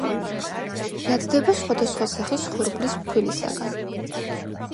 მზადდება სხვადასხვა სახის ხორბლის ფქვილისაგან.